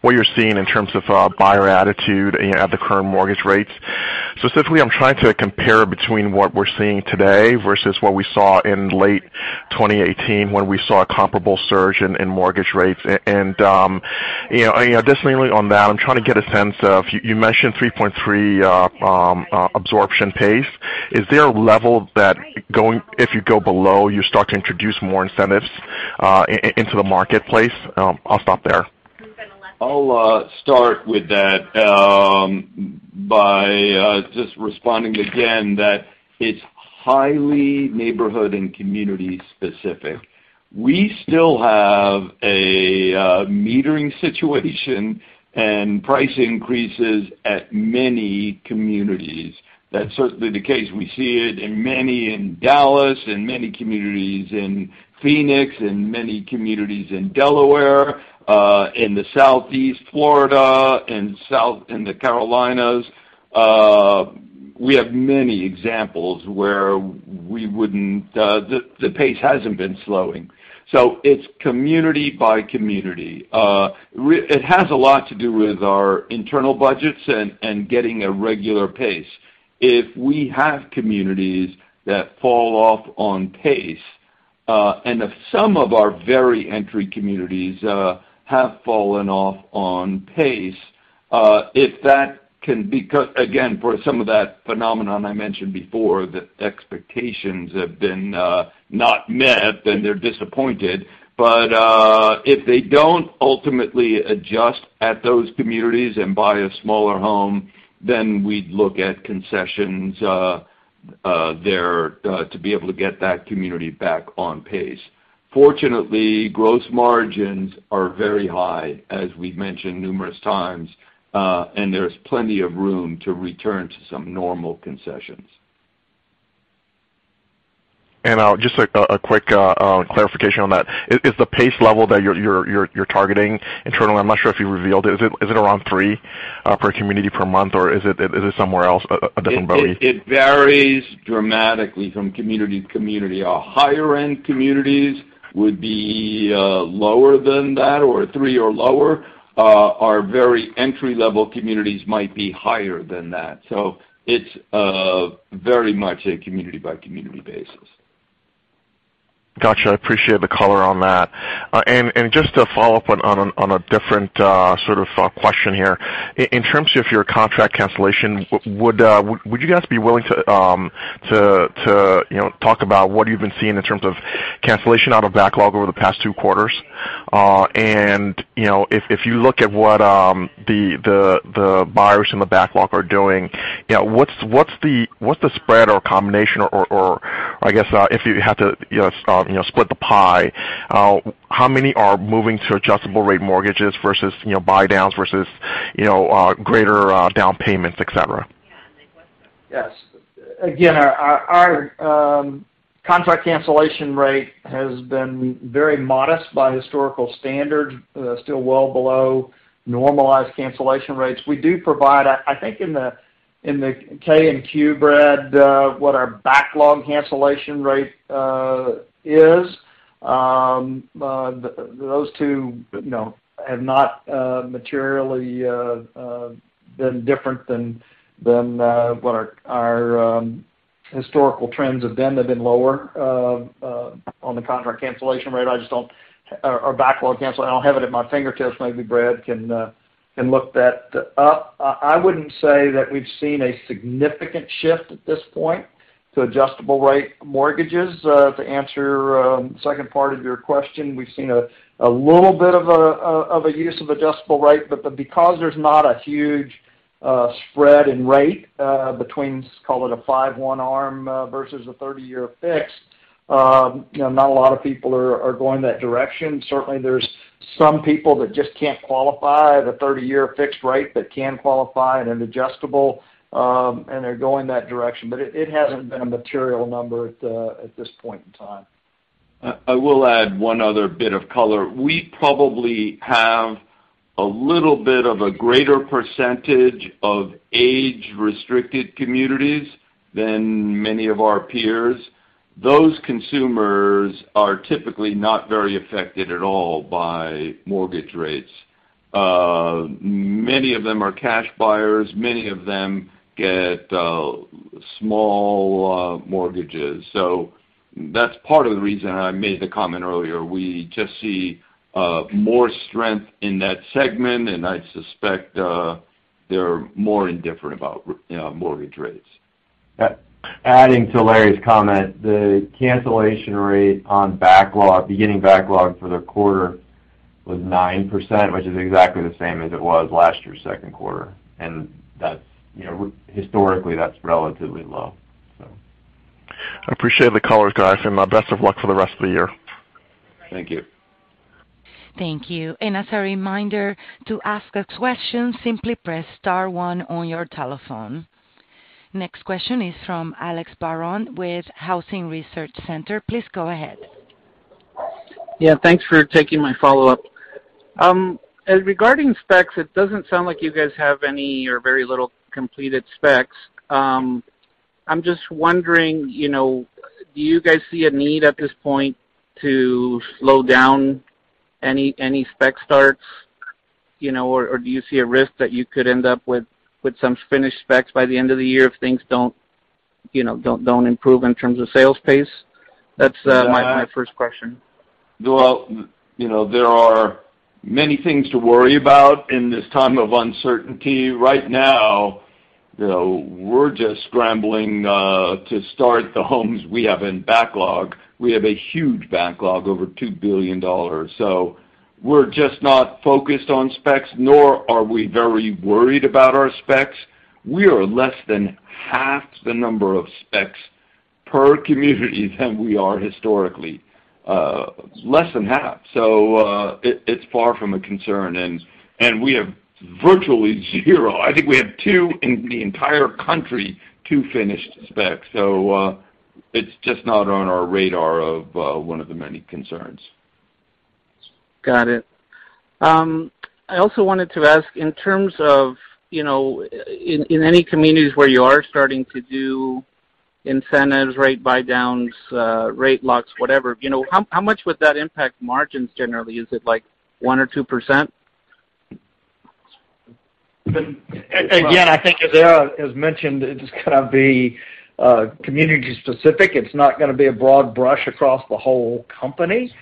Speaker 7: what you're seeing in terms of buyer attitude, you know, at the current mortgage rates. Specifically, I'm trying to compare between what we're seeing today versus what we saw in late 2018 when we saw a comparable surge in mortgage rates. You know, additionally on that, I'm trying to get a sense of. You mentioned 3.3 absorption pace. Is there a level that, if you go below, you start to introduce more incentives into the marketplace? I'll stop there. I'll start with that. By just responding again that it's highly neighborhood and community specific.
Speaker 3: We still have a metering situation and price increases at many communities. That's certainly the case. We see it in many in Dallas, in many communities in Phoenix, in many communities in Delaware, in the Southeast Florida and south in the Carolinas. We have many examples where the pace hasn't been slowing. It's community by community. It has a lot to do with our internal budgets and getting a regular pace. If we have communities that fall off on pace, and if some of our very entry communities have fallen off on pace, if that can be again, for some of that phenomenon I mentioned before, the expectations have been not met, then they're disappointed. If they don't ultimately adjust at those communities and buy a smaller home, then we'd look at concessions there to be able to get that community back on pace. Fortunately, gross margins are very high, as we've mentioned numerous times, and there's plenty of room to return to some normal concessions.
Speaker 7: Just a quick clarification on that. Is the pace level that you're targeting internally, I'm not sure if you revealed it? Is it around three per community per month, or is it somewhere else, a different boundary?
Speaker 3: It varies dramatically from community to community. Our higher end communities would be lower than that, or three or lower. Our very entry-level communities might be higher than that. It's very much a community by community basis.
Speaker 7: Got you. I appreciate the color on that. Just to follow up on a different sort of question here. In terms of your contract cancellation, would you guys be willing to you know talk about what you've been seeing in terms of cancellation out of backlog over the past two quarters? You know, if you look at what the buyers in the backlog are doing, you know, what's the spread or combination or, I guess, if you have to, you know, split the pie, how many are moving to adjustable rate mortgages versus buy downs versus greater down payments, et cetera?
Speaker 4: Yes. Again, our contract cancellation rate has been very modest by historical standard, still well below normalized cancellation rates. We do provide, I think in the K and Q, Brad, what our backlog cancellation rate is. Those two, you know, have not materially been different than what our historical trends have been. They've been lower on the contract cancellation rate. I just don't or backlog cancel. I don't have it at my fingertips. Maybe Brad can look that up. I wouldn't say that we've seen a significant shift at this point to adjustable rate mortgages. To answer the second part of your question, we've seen a little bit of a use of adjustable rate, but because there's not a huge spread in rate between, call it a 5/1 ARM, versus a 30-year fixed, you know, not a lot of people are going that direction. Certainly, there's some people that just can't qualify for the 30-year fixed rate, but can qualify for an adjustable, and they're going that direction. It hasn't been a material number at this point in time.
Speaker 3: I will add one other bit of color. We probably have a little bit of a greater percentage of age-restricted communities than many of our peers. Those consumers are typically not very affected at all by mortgage rates. Many of them are cash buyers. Many of them get small mortgages. That's part of the reason I made the comment earlier. We just see more strength in that segment, and I suspect they're more indifferent about, you know, mortgage rates.
Speaker 8: Adding to Larry's comment, the cancellation rate on backlog, beginning backlog for the quarter was 9%, which is exactly the same as it was last year's second quarter. That's, you know, historically, that's relatively low, so.
Speaker 7: I appreciate the colors, guys, and best of luck for the rest of the year.
Speaker 8: Thank you.
Speaker 1: Thank you. As a reminder to ask a question, simply press star one on your telephone. Next question is from Alex Barron with Housing Research Center. Please go ahead.
Speaker 6: Yeah, thanks for taking my follow-up. Regarding specs, it doesn't sound like you guys have any or very little completed specs. I'm just wondering, you know, do you guys see a need at this point to slow down any spec starts? You know, or do you see a risk that you could end up with some finished specs by the end of the year if things don't, you know, don't improve in terms of sales pace? That's my first question.
Speaker 3: Well, you know, there are many things to worry about in this time of uncertainty. Right now, you know, we're just scrambling to start the homes we have in backlog. We have a huge backlog, over $2 billion. We're just not focused on specs, nor are we very worried about our specs. We are less than half the number of specs per community than we are historically, less than half. It's far from a concern. We have virtually zero. I think we have two in the entire country, two finished specs. It's just not on our radar of one of the many concerns.
Speaker 6: Got it. I also wanted to ask in terms of, you know, in any communities where you are starting to do incentives, rate buydowns, rate locks, whatever, you know, how much would that impact margins generally? Is it like 1% or 2%?
Speaker 4: Again, I think as Ara has mentioned, it's gonna be community specific. It's not gonna be a broad brush across the whole company.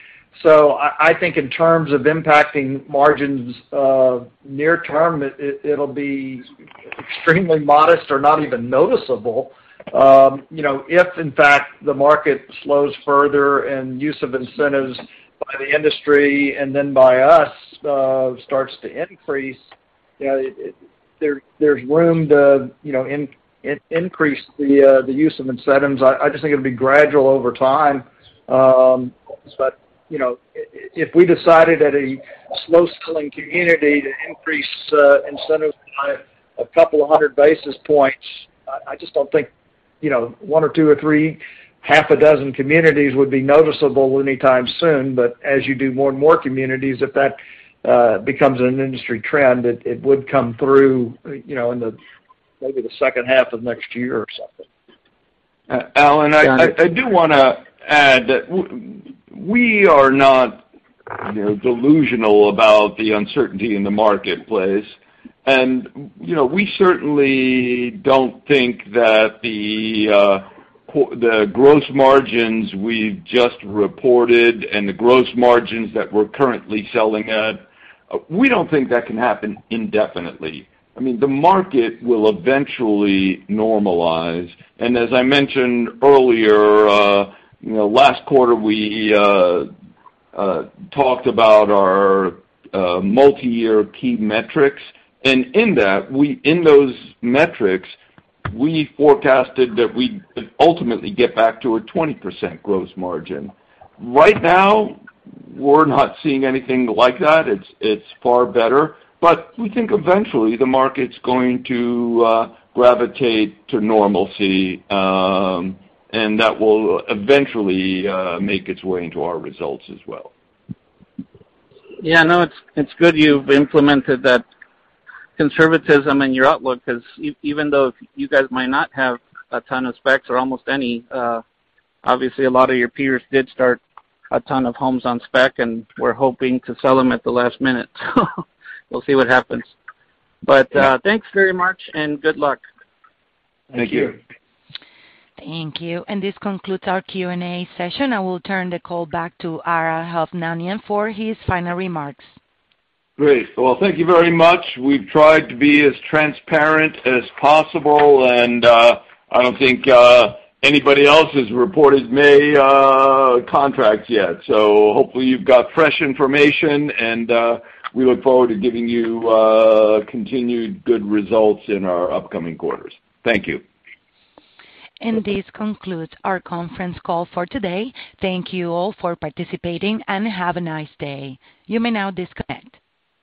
Speaker 4: I think in terms of impacting margins near term, it will be extremely modest or not even noticeable. You know, if in fact the market slows further and use of incentives by the industry and then by us starts to increase, you know, there's room to increase the use of incentives. I just think it will be gradual over time. You know, if we decided at a slow-selling community to increase incentives by a couple of hundred basis points, I just don't think one or two or three, half a dozen communities would be noticeable anytime soon. As you do more and more communities, if that becomes an industry trend, it would come through, you know, in the maybe the second half of next year or something.
Speaker 3: Alan, I do wanna add that we are not, you know, delusional about the uncertainty in the marketplace. You know, we certainly don't think that the gross margins we've just reported and the gross margins that we're currently selling at, we don't think that can happen indefinitely. I mean, the market will eventually normalize. As I mentioned earlier, you know, last quarter, we talked about our multiyear key metrics. In that, in those metrics, we forecasted that we'd ultimately get back to a 20% gross margin. Right now, we're not seeing anything like that. It's far better. But we think eventually the market's going to gravitate to normalcy, and that will eventually make its way into our results as well.
Speaker 6: Yeah. No, it's good you've implemented that conservatism in your outlook, because even though you guys might not have a ton of specs or almost any, obviously a lot of your peers did start a ton of homes on spec, and we're hoping to sell them at the last minute. We'll see what happens. Thanks very much and good luck.
Speaker 3: Thank you.
Speaker 4: Thank you.
Speaker 1: Thank you. This concludes our Q&A session. I will turn the call back to Ara Hovnanian for his final remarks.
Speaker 3: Great. Well, thank you very much. We've tried to be as transparent as possible, and, I don't think, anybody else has reported May, contracts yet. So hopefully you've got fresh information, and, we look forward to giving you, continued good results in our upcoming quarters. Thank you.
Speaker 1: This concludes our conference call for today. Thank you all for participating, and have a nice day. You may now disconnect.